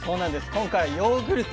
今回はヨーグルト。